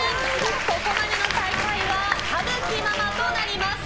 ここまでの最下位は田吹ママとなります。